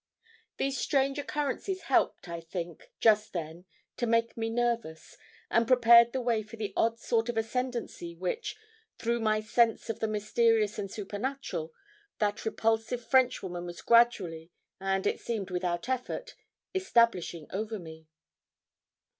These strange occurrences helped, I think, just then to make me nervous, and prepared the way for the odd sort of ascendency which, through my sense of the mysterious and super natural, that repulsive Frenchwoman was gradually, and it seemed without effort, establishing over me.